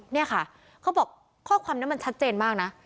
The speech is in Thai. นี่ค่ะเขาบอกข้อความนั้นมันชัดเจนมากนะ